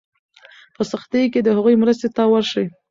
په سختۍ کې د هغوی مرستې ته ورشئ.